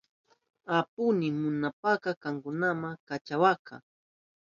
Apuyni munashpanka kankunama kachawanka.